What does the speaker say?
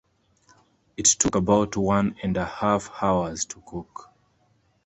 It took about one and a half hours to cook.